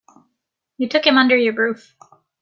You took him under your roof.